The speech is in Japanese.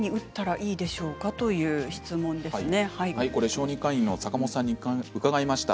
小児科医の坂本さんに伺いました。